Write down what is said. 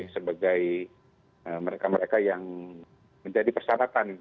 sebagai mereka mereka yang menjadi persyaratan